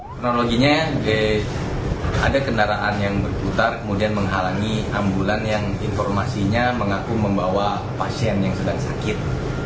kronologinya ada kendaraan yang berputar kemudian menghalangi ambulan yang informasinya mengaku membawa pasien yang sedang sakit